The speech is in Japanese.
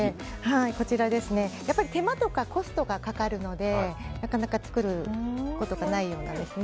手間とかコストがかかるのでなかなか作ることがないんですね。